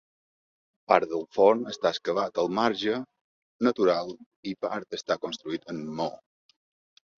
Part del forn està excavat al marge natural i part està construït amb maó.